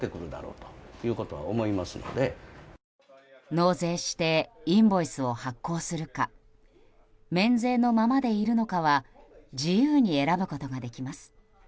納税してインボイスを発行するか免税のままでいるのかは自由に選ぶことができます。